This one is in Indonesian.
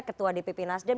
ketua dpp nasdem